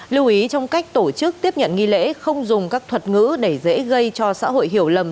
lưu ý trong cách tổ chức tiếp nhận nghi lễ không dùng các thuật ngữ để dễ gây cho xã hội hiểu lầm